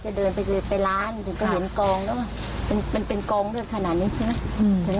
แต่ก็ได้ยินแค่นั้นเอง